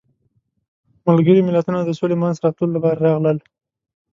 ملګري ملتونه د سولې منځته راتلو لپاره راغلل.